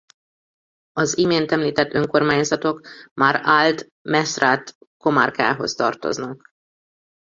Az imént említett önkormányzatok már Alt Maestrat comarcához tartoznak.